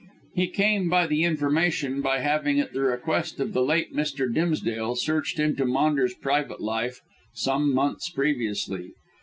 He came by the information by having, at the request of the late Mr. Dimsdale, searched into Maunders' private life some months previously.